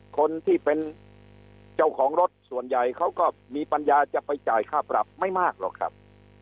คนที่เป็นเจ้าของรถส่วนใหญ่เขาก็มีปัญญาจะไปจ่ายค่าปรับไม่มากหรอกครับ